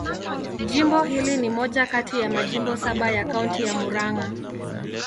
Jimbo hili ni moja kati ya majimbo saba ya Kaunti ya Murang'a.